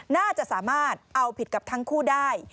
น่าจะสามารถเอาผิดกับทั้งคู่ได้